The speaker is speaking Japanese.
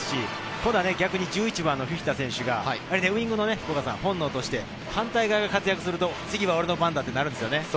ただ逆に１１番のフィフィタ選手がウイングの本能として反対側が活躍すると次は俺の番だとなるんですよね。